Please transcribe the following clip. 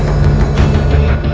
kau mengenal aku